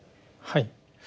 はい。